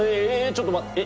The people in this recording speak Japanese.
ちょっと待ってえ？